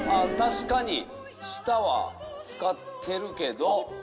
確かに舌は使ってるけど。